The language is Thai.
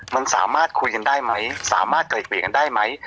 มันสามารถคุยกันได้ไหมสามารถไกล่เกลี่ยกันได้ไหม